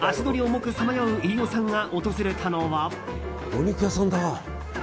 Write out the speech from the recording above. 重くさまよう飯尾さんが訪れたのは。